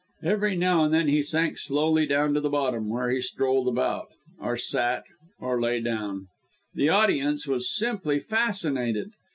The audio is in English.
Every now and then he sank slowly down to the bottom, where he strolled about, or sat, or lay down. The audience was simply fascinated.